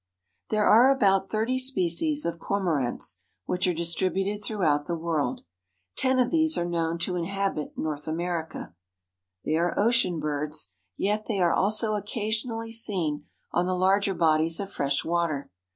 _) There are about thirty species of Cormorants which are distributed throughout the world. Ten of these are known to inhabit North America. They are ocean birds, yet they are also occasionally seen on the larger bodies of fresh water.